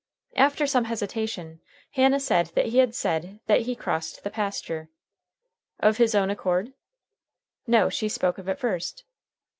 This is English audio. After some hesitation, Hannah said that he had said that he crossed the pasture. Of his own accord? No, she spoke of it first.